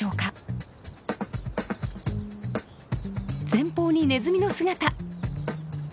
前方にネズミの姿！